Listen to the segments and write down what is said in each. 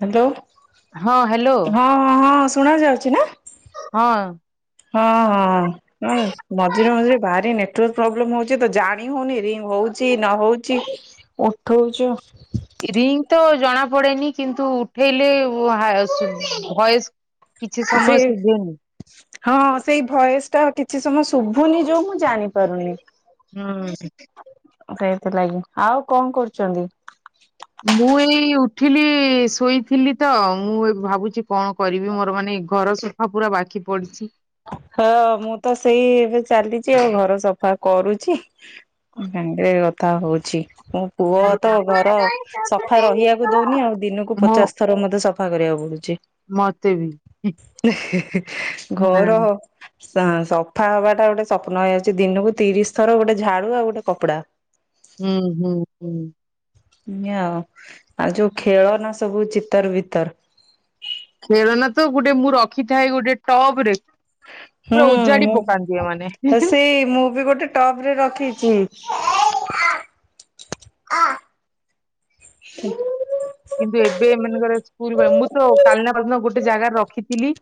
Hello ହଁ hello ହଁ ହଁ ହଁ ଶୁଣା ଯାଉଚି ନା? ହଁ। ହଁ ହଁ। ହଁ ମଝିରେ ମଝିରେ ଭାରି ନେଟୱାର୍କ ପ୍ରୋବ୍ଲେମ ହଉଚି ତ ଜାଣି ହଉନି ରିଙ୍ଗ୍ ହଉଚି ନ ହଉଚି। ଉଠ ଉଚ। ରିଙ୍ଗ୍ ତ ଜଣା ପଡେନି କିନ୍ତୁ ଉଠେଇଲେ ଭଏସ୍ କିଛି ହଁ ସେଇ ଭଏସ୍ ଟା କିଛି ସମୟ ଶୁଭୁନି ଯୋଉ ମୁଁ ଜାଣିପାରୁନି। ହୁଁ‌। ସେଇଥିଲାଗି ଆଉ କଁ କରୁଛନ୍ତି? ମୁଁ ଏଇ ଉଠିଲି ଶୋଇଥିଲି ତ ମୁଁ ଏବେ ଭାବୁଚି କଣ କରିବି ମୋର ମାନେ ଘର ସଫା ପୁରା ବାକି ପଡିଚି। ହଁ ମୁଁ ତ ସେଇ ଏବେ ଚାଲିଚି ଆଉ ଘର ସଫା କରୁଚି। ଭାଙ୍ଗରେ କଥା ହଉଛି ଉଁ। ପୁଅ ତ ଘର ସଫା ରହିଆକୁ ଦଉନି ଆଉ ଦିନକୁ ମୁଁ ପଚାଶ ଥର ମତେ ସଫା କରିବାକୁ ପଡୁଚି। ମତେ ବି [unintelligible] ହଁ ଘର ସଫା ହବାଟା ଗୋଟେ ସ୍ୱପ୍ନ ହେଇଯାଉଚି ଦିନକୁ ତିରିଶ ଥର ଗୋଟେ ଝାଡୁ ଆଉ ଗୋଟେ କପଡା। ହୁଁ ହୁଁ ହୁଁ। ଏଇଆ ଆଉ ଆଉ ଯୋଉ ଖେଳ ନା ସବୁ ଚିତର ବିତର ଖେଳନା ତ ଗୋଟେ ମୁଁ ରଖିଥାଏ ଗୋଟେ ଟପ ରେ। ପୁରା ଓଜାଡି ପକାନ୍ତିି ଏମାନେ। ଏଇ ମୁଁ ବି ଗୋଟେ ଟପ୍ ରେ ରଖିଛି। କିନ୍ତୁ ଏବେ ଏମାନଙ୍କର ସ୍କୁଲ ମୁଁ ତ କାଲନା ପଦିନ ଗୋଟେ ଜାଗାରେ ରଖିଥିଲି।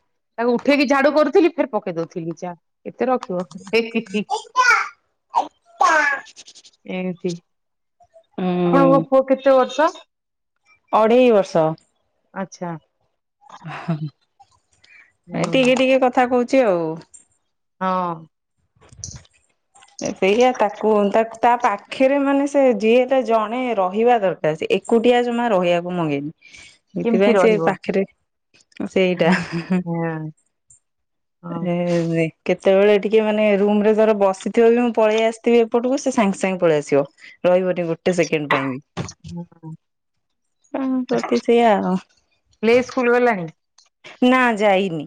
ତାକୁ ଉଠେଇକି ଝାଡୁ କରୁଥିଲି ଫେରେ ପକେଇ ଦଉଥିଲି ଚା। କେତେ ରଖିବ ସେ [unintelligible] ଏମତି। ଉଁ ଆପଣଙ୍କ ପୁଅ କେତେ ବର୍ଷ? ଅଢେଇ ବର୍ଷ। ଆଚ୍ଛା। ଏଇ ହୁଁ ଟିକେ ଟିକେ କଥା କହୁଚି ଆଉ। ହଁ। ସେଇଆ ତାକୁ ତା ତା ପାଖେରେ ମାନେ ସେ ଯିଏ ହେଲେ ଜଣେ ରହିବା ଦର ଏକୁଟିଆ ଜମା ରହିବାକୁ ମଙ୍ଗେନି। କେମିତି ଏଇଥିପାଇଁ ସେ ରହିବ ପାଖେରେ ସେଇଟା ହଁ ଏ କେତେବେଳେ ଟିକେ ମାନେ ରୁମ୍ ରେ ଧର ବସି ଥିବ ବି ମୁଁ ପଳେଇ ଆସିଥିବି ଏପଟକୁ ସେ ସାଙ୍ଗେ ସାଙ୍ଗେ ପଳେଇ ଆସିବ ରହିବନି ଗୋଟେ ସେକେଣ୍ଡ ପାଇଁ ବି। ଉଁ ପ୍ରତି ସେଇୟା ଆଉ। ପ୍ଲେ ସ୍କୁଲ ଗଲାଣି? ନା ଯାଇନି,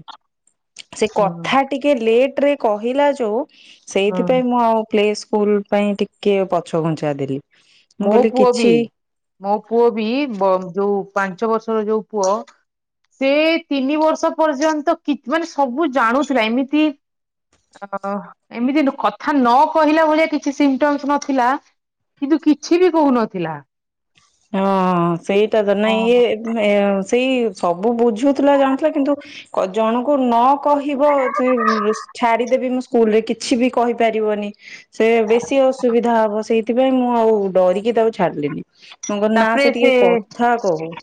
ସେ ହଁ କଥା ଟିକେ ଲେଟ୍ ରେ କହିଲା ଯୋଉ ହଁ ସେଇଥିପାଇଁ ମୁଁ ଆଉ ପ୍ଲେ ସ୍କୁଲ ପାଇଁ ଟିକେ ପଛ ଘୁଞ୍ଚା ଦେଲି। ମୁଁ ମୋ କହିଲି ପୁଅ ବି, କିଛି ମୋ ପୁଅ ବି ବ ଯୋଉ ପାଞ୍ଚ ବର୍ଷର ଯୋଉ ପୁଅ ସେ ତିନି ବର୍ଷ ପର୍ଯ୍ୟନ୍ତ କି ମାନେ ସବୁ ଜାଣୁଥିଲା ଏମିତି ଓ, ଏମିତି କଥା ନ କହିଲା ଭଳିଆ କିଛି ସିମଣ୍ଟମଶ ନଥିଲା କିନ୍ତୁ କିଛି ବି କହୁନଥିଲା। ହଁ, ସେଇଟା ତ ନାଇ ଇଏ ହଁ। ନା ସେଇ ସବୁ ବୁଝୁଥିଲା ଜାଣୁଥିଲା କିନ୍ତୁ କ ଜଣୁକୁ ନ କହିବ ଛାଡିଦେବି ମୁଁ ସ୍କୁଲ ରେ କିଛି ବି କହିପାରିବନି ସେ ବେଶୀ ଅସୁବିଧା ହବ ସେଇଥିପାଇଁ ମୁଁ ଆଉ ଡରିକି ତାକୁ ଛାଡିଲିନି। ମୁଁ କହିଲି ନା ସେ ଟିକେ କଥା କହୁ।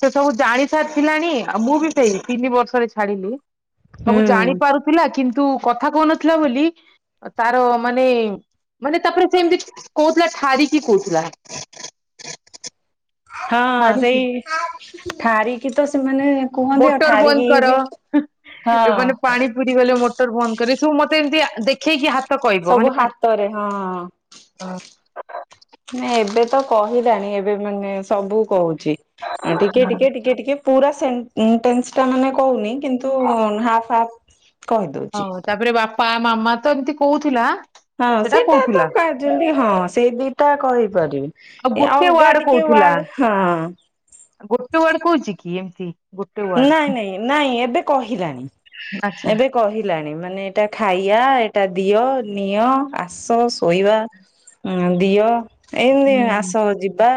ସେ ସବୁ ଜାଣି ସାରିଥିଲାଣି ଆଉ ମୁଁ ବି ସେଇ ତିନି ବର୍ଷରେ ଛାଡିଲି ସବୁ ହୁଁ ଜାଣିପାରୁ ଥିଲା କିନ୍ତୁ କଥା କହୁନଥିଲା ବୋଲି ତାର ମାନେ ମାନେ ତାପରେ ସେମିତି କହୁଥିଲା ଠାରିକି କହୁଥିଲା। ହଁ ଠାରିକି। ସେଇ, ଠାରିକି ତ ସେମାନେ କୁହନ୍ତି ଆଉ ମୋଟର ବନ୍ଦ ଠାରିକି କର ବି ହଁ ଏମାନେ ପାଣି ପୁରି ଗଲେ ମୋଟର ବନ୍ଦ କରେ ଏସବୁ ମତେ ଏମତି ଦେଖେଇକି ହା ତ କହିବ ସବୁ ମାନେ ପା, ହାତରେ ହଁ। ହଁ ନାଇ ଏବେ ତ କହିଲାଣି ଏବେ ମାନେ ସବୁ କହୁଚି। ହଁ ଟିକେ ଟିକେ ଟିକେ ଟିକେ ପୁରା ସେମ୍। ଇଣ୍ଟେନ୍ସ ଟା ମାନେ କହୁନି କିନ୍ତୁ ହାପ୍ ହାପ୍ କହିଦଉଚି। ହଁ ତାପରେ ବାପା ମାମା ତ ଏମିତି କହୁଥିଲା। ହଁ ସେଟା ସେଇଟା ତ କହୁଥିଲା କାର ଜଲଦି ହଁ ସେଇ ଦିଟା କହିପାରିବି। ଆଉ ଏ ଗୋଟେ ଅଲଗା ୱାର୍ଡ ଟିକେ କହୁଥିଲା ୱାଡ୍, ହଁ। ଗୋଟେ ୱାର୍ଡ କହୁଚି କି ଏମିତି? ଗୋଟେ ୱାର୍ଡ ନାଇଁ ନାଇଁ ନାଇଁ ଏବେ କହିଲାଣି। ଆଛା। ଏବେ କହିଲାଣି ମାନେ ଏଇଟା ଖାଇଆ, ଏଇଟା ଦିଅ, ନିଅ, ଆସ, ଶୋଇବା ହୁଁ ଦିଅ ଏମତି ଆସ ହୁଁ ଯିବା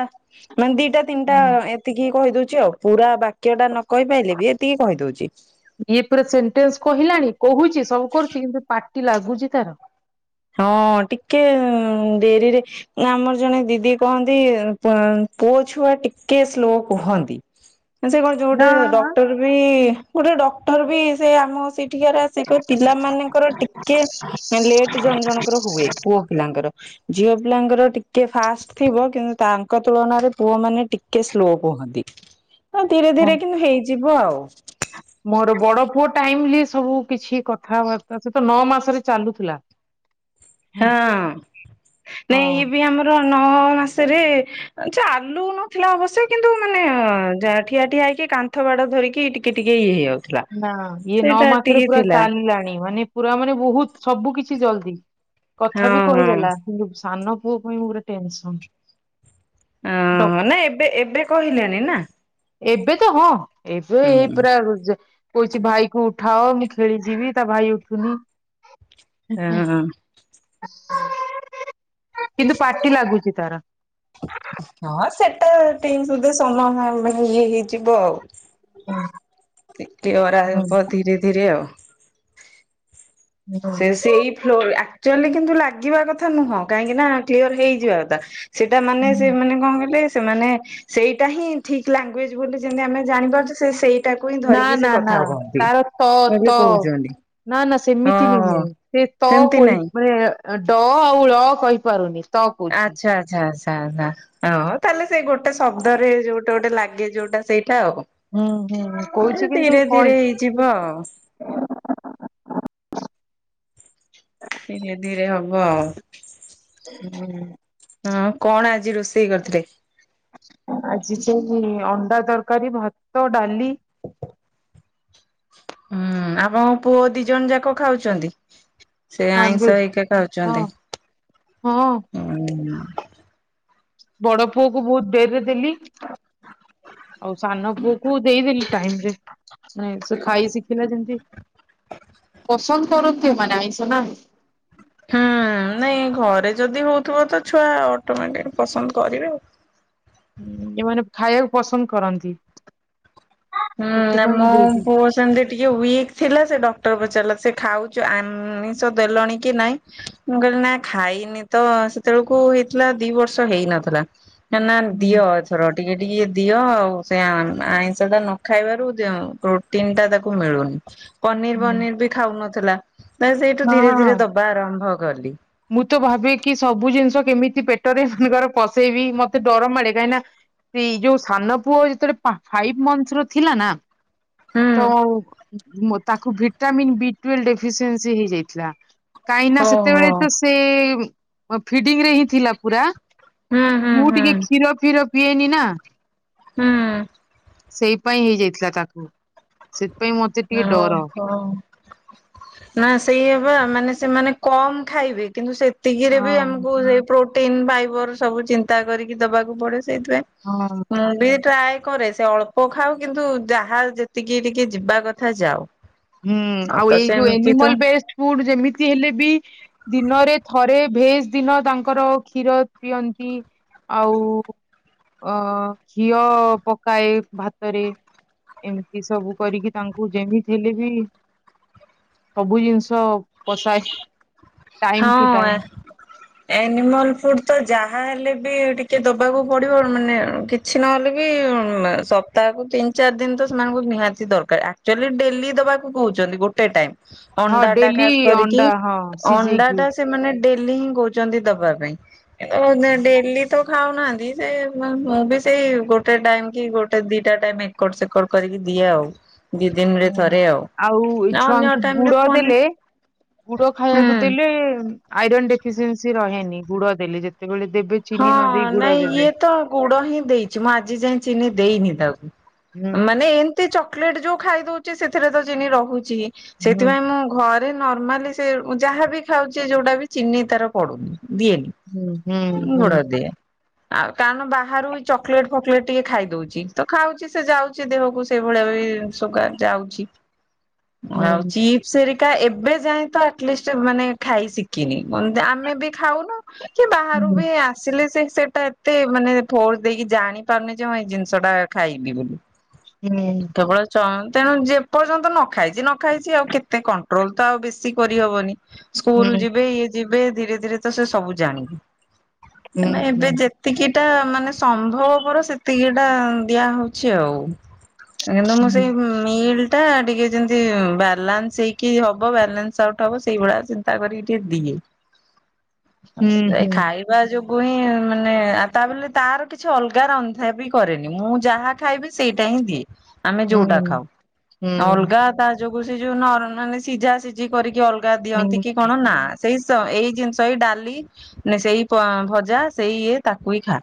ମାନେ ଦିଟା ତିନିଟା ହୁଁ। ଏତିକି କହିଦଉଚି ଆଉ। ପୁରା ବାକ୍ୟ ଟା ନ କହି ପାଇଲେ ବି ଏତିକି କହିଦଉଚି। ଇଏ ପୁରା ସେଣ୍ଟେନ୍ସ କହିଲାଣି କହୁଚି ସବୁ କରୁଚି କିନ୍ତୁ ପାଟି ଲାଗୁଚି ତାର। ହଁ ଟିକେ ଡେରିରେ ନା ଆମର ଜଣେ ଦିଦି କହନ୍ତି ପୁଅ ଛୁଆ ଟିକେ ସ୍ଲୋ କୁହନ୍ତି। ସେ କଣ ଯୋଉ ଗୋଟେ ନା। ଡକ୍ଟର ବି ଗୋଟେ ଡକ୍ଟର ବି ସେ ଆମ ସେଇଠିକାର ଆସ୍ ସେ କହିଲେ ପିଲା ମାନଙ୍କର ଟିକେ ଲେଟ ଜଣ ଜଣଙ୍କର ହୁଏ ପୁଅ ପିଲାଙ୍କର। ଝିଅ ପିଲାଙ୍କର ଟିକେ ଫାଷ୍ଟ ଥିବ କିନ୍ତୁ ତାଙ୍କ ତୁଳନାରେ ପୁଅ ମାନେ ଟିକେ ସ୍ଲୋ କୁହନ୍ତି। ହଁ ଧୀରେ ଧୀରେ କିନା ହେଇଯିବ ଆଉ। ମୋର ବଡ ପୁଅ ଟାଇମଲି ସବୁ କିଛି କଥା, ବାର୍ତ୍ତା ସେ ତ ନଅ ମାସରେ ଚାଲୁଥିଲା। ହଁ, ନାଇଁ ଇଏ ହଁ ବି ଆମ ନଅ ମାସରେ ସେ ଚାଲୁ ନଥିଲା ଅବଶ୍ୟ କିନ୍ତୁ ମାନେ ଠିଆ ଠିଆ ହେଇକି କା କାନ୍ଥ ବାଡ଼ ଧରି କି ଟିକ ଟିକେ ଇଏ ହେଇଯଉ ନା ଇଏ ନଅ ମାସରେ ପୁରା ଚାଲିଲାଣି ମାନେ ପୁରା ମାନେ ବହୁତ ସବୁ କିଛି ଜଲଦି। କଥା ହଁ ବି ହଁ। କହିଦେଲା କିନ୍ତୁ ସାନ ପୁଅ ପାଇଁ ମୋର ଟେନସନ୍। ଅ ନା ଏବେ ଏବେ କହିଲାଣିି ନା? ଏବେ ତ ହଁ ଏବେ ଏଇ ପରା କହୁଛି ଭାଇ କି ଉଠାଅ ମୁଁ ଖେଳି ଯିବି ତା ଭାଇ ଉଠୁନି। ହଁ। କିନ୍ତୁ ପାଟି ଲାଗୁଛି ତାର। ହଁ ସେଟା ଟିକେ ସୁଧ ସମୟମେ ଇଏ ହେଇଯିବ ଆଉ ଟିକେ ଅରା ହୁଁ। ହବ ଧୀରେ ଧୀରେ ଆଉ ହୁଁ। ସେ ସେଇ ଫ୍ଲୋର ଆକ୍ଚୁଆଲି କିନ୍ତୁ ଲାଗିବା କଥା ନୁହଁ କାହିଁକି ନା କ୍ଲିୟର ହେଇଯିବା କଥା। ସେଇଟା ମାନେ ସେମାନେ ମାନେ କଣ କଲେ ସେମାନେ ସେଇଟା ହିଁ ଠିକ୍ ଲାଙ୍ଗୁଏଜ ବୋଲି ଯେମିତି ଆମେ ଜାଣିପାରୁଛୁ ସେ ସେଇ ସେଇଟାକୁ ହିଁ ନା ଧରିକି ସେ ନା ନା କଥା ହବ କହନ୍ତି ତାର ତ ତ ଏବେ କହୁଛନ୍ତି। ନା ନା ସେମିତି ହଁ ନୁହେଁ ସେ ତ ସେମିତି କହି ନାଇଁ। ଡ଼ ଆଉ ଳ କହିପାରୁନି। ତ କହୁଛି। ଆଛା ଆଛା ଆଚ୍ଛା ଆଛା ହଁ। ତାହେଲେ ସେଇ ଗୋଟେ ଶବ୍ଦରେ ଯୋଉଟା ଗୋଟେ ଲାଗେ ଯୋଉଟା ସେଇଟା ଆଉ ହୁଁ ହୁଁ କହୁଛି କିନ୍ତୁ କଇ ଯିବ। ଧୀରେ ଧୀରେ ହବ ଆଉ ହୁଁ। ହଁ କଣ ଆଜି ରୋଷେଇ କରିଥିଲେ? ଆଜି ସେଇ ଅଣ୍ଡା ତରକାରୀ ଭାତ ଡାଲି। ହୁଁ ଆପଣଙ୍କ ପୁଅ ଦି ଜଣ ଯାକ ଖାଉଛନ୍ତି। ସେ ଆଇଁଷ ନନଭେଜ ହେଇକା ହଁ ଖାଉଛନ୍ତି। ହଁ। ହୁଁ। ବଡ ପୁଅକୁ ବହୁତ ଡ଼େରିରେ ଦେଲି। ଆଉ ସାନ ପୁଅକୁ ଦେଇଦେଲି ଟାଇମରେ ସେ ଖାଇ ଶିଖିଲା ଯେମତି। ସଣ କରୁ କି ମାନ ଆଇଁଷ ନା? ହୁଁ ନାଇଁ ଘରେ ଯଦି ହଉଥିବ ତ ଛୁଆ ଅଟୋମେଟିକ ପସନ୍ଦ କରିବେ ଆଉ ହଁ ଯୋଉମାନେ ଖାଇବାକୁ ପସନ୍ଦ କରନ୍ତି। ହୁଁ ସେଥିପାଇଁ ମୋ ଦେଇଛି। ପୁଅ ସେମତି ଟିକେ ୱିକ ଥିଲା ସେ ଡକ୍ଟର ପଚାରିଲା ସେ ଖାଉଛ ଆମିଷ ଦେଲଣି କି ନାଇଁ? ମୁଁ କହିଲି ନା ଖାଇନି ତ ସେତେବେଳକୁ ହେଇଥିଲା ଦି ବର୍ଷ ହେଇନଥିଲା। ନା ଦିଅ ଏଥର ଟିକେ ଟିକେ ଦିଅ ଆଉ ସେ ଆଇଁଷଟା ନ ଖା ନଖାଇବାରୁ ପ୍ରୋଟିନଟା ତାକୁ ମିଳୁନି ପନିର ହଁ। ଫନିର ବି ଖାଉନଥିଲା। ନାଇଁ ସେଇଠୁ ଧୀରେ ଧୀରେ ଦବା ଆରମ୍ଭ କଲି। ମୁଁ ତ ଭାବେ କି ସବୁ ଜିନିଷ କେମିତି ପେଟରେ ଆଙ୍କର ପଷେଇବି ମତେ ଡର ମାଡେ କାହିଁକି ନା? ସେଇ ଯୋଉ ସାନ ପୁଅ ଯେତେବେଳେ ଫାଇଭ ମନ୍ଥ ର ଥିଲା ନା? ହୁଁ ତ ତାକୁ vitamin B twelve deficiency ହେଇଯାଇଥିଲା। କାହିଁ ନା ଓହୋ। ସେତେବେଳେ ତ ସେ ଫିଡିଙ୍ଗ ରେ ହିଁ ଥିଲା ପୁରା। ହୁଁ ହୁଁ ମୁଁ ଟିକେ ହୁଁ କ୍ଷୀର ଫିର ପିଏନି ନା? ହୁଁ। ସେଇଥିପାଇ ହେଇଯାଇଥିଲା ତାକୁ ସେଥିପାଇଁ ମତେ ଟିକେ ଡର। ହଁ ନା ସେଇବା ମାନେ ସେମାନେ କମ ଖାଇବେ? କିନ୍ତୁ ସେଥ ସେତିକିରେ ହଁ ବି ଆମକୁ ସେଇ ପ୍ରୋଟିନ, ଫାଇବର ସବୁ ଚିନ୍ତା କରିକି ଦବାକୁ ପଡେ। ହଁ ସେଇଥିପାଇଁ ମୁଁ ବି ଟ୍ରାଏ କରେ ସେ ଅଳ୍ପ ଖାଉ କିନ୍ତୁ ଯାହା ଯେତିକି ଟିକେ ଯିବା କ ଥା ଯାଉ। ହୁଁ ଆଉ ତ ଏଇ ଯୋଉ ସେମିତି ତ ଏନିମଲ ବେଷ୍ଟଫୁଡ ଯେମିତି ହେଲେ ବି- ଦିନରେ ଥରେ ଭେଜ ଦିନ ତାଙ୍କର କ୍ଷୀର ଦିଅନ୍ତି। ଆଉ ଅ ଘିଅ ପକାଏ ଭାତରେ। ଏମିତି ସବୁ କରିକି ତାଙ୍କୁ ଯେମିତି ହେଲେ ବି ସବୁ ଜିନିଷ ପସାଏ। ହଁ ଏନିମଲ [unintelligible] ତ ଯାହା ହେଲେ ବି ଟିକେ ଦବାକୁ ପଡିବ ମାନେ [unintelligible] କିଛି ନହେଲେ ବି ସପ୍ତାହକୁ ତିନି ଚାରି ଦିନ ତ ସେମାନଙ୍କୁ ନିହାତି ଦରକାର। ଆ [unintelligible] ଡେଲି ଦବାକୁ କହୁଛନ୍ତି ଗୋଟେ ଟାଇମ୍। ହଁ ଡେଲି ଅଣ୍ଡା ହଁ ଅଣ୍ଡା ସିଝେଇକି। ଟା ସେମାନେ ଡେଲି ହିଁ କହୁଚନ୍ତି ଦବା ପାଇଁ। କିନ୍ତୁ ଡେଲି ତ ଖାଉନାହାନ୍ତି ସେ [unintelligible] ସେଇ ଗୋଟେ ଟାଇମ କି ଗୋ ଟେ ଦିଟା ଟାଇମ ଏକଡ ସେକଡ କରିକି ଦିଏ ଆଉ। ଦି ଦିନରେ ହୁଁ ଥରେ ଆଉ ଏ ଅନ୍ୟ ଛୁଆଙ୍କୁ ଟାଇମରେ ଗୁଡ଼ ଫୋନ ଦେଲେ ଗୁଡ ଖାଇବାକୁ ହୁଁ ଦେଲେ ଆଇରନ ଡେଫିସିଏସି ରହେନି ଗୁଡ ଦେଲେ ଯେତେବେଳେ ଦେବେ ହଁ ଚିନି ନ ଦେଇ ଗୁଡ ନାଇଁ ଦେବେ ଇଏ ତ ଗୁଡ ହିଁ ଦେଇଚି, ମୁଁ ଆଜି ଯାଇ ଚିନି ଦେଇନି ତାକୁ। ହୁଁ ମାନେ ଏମିତି ଚକୋଲେଟ ଯୋଉ ଖାଇଦଉଚି ସେଥିରେ ତ ଚିନି ରହୁଚି ହୁଁ ସେଥିପାଇଁ ମୁଁ ଘ ରେ ନର୍ମାଲି ସେ ଯାହା ବି ଖାଉଚି ଯୋଉଟା ବି ଚିନି ତାର ପଡୁନି ଦିଏନି। ଉହୁଁ ହଁ ଗୁଡ଼ ଦିଏ। ଆଉ କାରଣ ବାହାରୁ ବି ଚକୋଲେଟ ଫକଲେଟ ଟିକେ ଖାଇଦଉଛି ତ ଖାଉଛି ସେ ଯାଉଛି। ସେ ଦେହକୁ ସେଇଭଳିଆ ବି [unintelligible] ଯାଉଛି ଆଉ ହୁଁ ସେରିକା ଏବେ ଯାଇ ତ ଆଟଲିଷ୍ଟ ତ ମାନେ ଖାଇ ଶିଖିନି ଆମେ ବି ଖାଉନୁ। କି ବାହାରୁ ହୁଁ ବି ଆସିଲେ ସେ ସେଟା ଏତେ ମାନେ ଫୋର୍ସ ଦେଇକି ଜାଣି ପାରୁନି ଯେ ହଁ ଏଇ ଜିନିଷ ଟା ଖାଇବି ବୋଲି। ହୁଁ କେବଳ [unintelligible] ଯେପର୍ଯ୍ୟନ୍ତ ନ ଖାଇଛି ନ ଖାଇଛି ଆଉ କେତେ କଣ୍ଟ୍ରୋଲ ତ ଆଉ ବେଶୀ କରିହେବନି। ସ୍କୁଲ ଯିବେ ଇଏ ଯିବେ ଧୀରେ ଧୀରେ ତ ସେ ସବୁ ହୁଁ ହୁଁ ଜାଣିବେ ହୁଁ ହୁଁ ଏବେ ଯେ ଯେତିକିଟା ମାନେ ସମ୍ଭବପର ସେତିକିଟା ଦିଆ ହଉଛି ଆଉ। କିନ୍ତୁ ମୁଁ ହୁଁ ସେଇ [unintelligible] ଟା ଟିକେ ଯେମିତି ବାଲାନ୍ସ ହେଇକି ହବ ବାଲାନ୍ସ ଆଉଟ ହବ ସେଇଭଳିଆ ଚିନ୍ତା କରିକି ଟିକେ ଦିଏ‌। ହୁଁ ହୁଁ [unintelligible] ଖାଇ ବା ଯୋଗୁ ହିଁ ମାନେ ତା ବୋଲି ତାର କିଛି ଅଲଗା ରନ୍ଧା ବି କରେନି ମୁଁ ଯାହା ଖାଇବେ ସେଇଟା ହିଁ ଦିଏ ଆମେ ଯୋଉଟା ଖାଉ ହୁଁ ହୁଁ ଅଲଗା ତା ଯୋଗୁଁ ସେ ଯୋଉ ମାନେ ସିଝା ସିଝି କରିକି ଅଲଗା ଦିଅନ୍ତି କି କଣ ନା। ସେଇ ଏଇ ଜିନିଷ ଏଇ ଡାଲି ସେଇ ଭଜା ସେଇ ଇଏ ତାକୁ ହିଁ ଖା।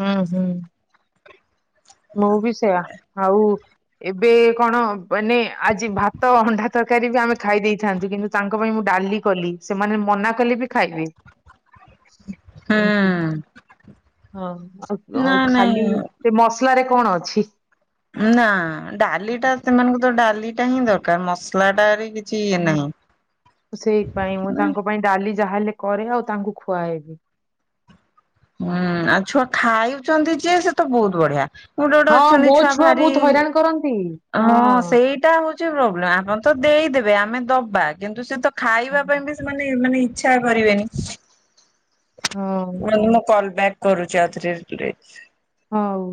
ହୁଁ ହୁଁ ମୁଁ ବି ସେୟା ଆଉ ଏବେ କଣ ମାନେ ଆଜି ଭାତ ଅଣ୍ଡା ତରକାରୀ ବି ଆମେ ଖାଇ ଦେଇଥାନ୍ତୁ କିନ୍ତୁ ତାଙ୍କ ପାଇଁ ମୁଁ ଡାଲି କଲି ସେମାନେ ମନା କଲେ ବି ଖାଇବେ [inaudible] ଏମତି ହୁଁ ହଁ ନା ଆଉ ଖାଲି ନାଇଁ ମସଲା ରେ କଣ ଅଛି ନା ଡାଲି ଟା ସେମାନଙ୍କୁ ତ ଡାଲି ଟା ହିଁ ଦରକାର ମସଲାଟା ହୁଁ ସେଥିପାଇଁ ମୁଁ ତାଙ୍କ ପାଇଁ ଡାଲି ଯାହା ହେଲେ କରେ ଆଉ ତାଙ୍କୁ ଖୁଆଏ ହୁଁ ଆଉ ଛୁଆ ଖାଇଛନ୍ତି ଯେ ସେ ତ ବହୁତ ବଢିଆ ଗୋଟେ ଗୋଟେ ହଁ ଅଛନ୍ତି ମୋ ଛୁଆ ଭାରି ବହୁତ ହଇରାଣ କରନ୍ତି ହଁ ସେଇଟା ହଉଛି ପ୍ରୋବ୍ଲେମ ଆପଣ ତ ଦେଇଦେବେ ଆମେ ଦବା କିନ୍ତୁ ସେ ତ ହଁ ଖାଇବା ପାଇଁ ବି ସେମାନେ ମାନେ ଇଚ୍ଛା କରିବେନି ହଁ ରୁହନ୍ତୁ ମୁଁ କଲ ବ୍ୟାକ୍ କରୁଛି ଆଉଥରେ ହଉ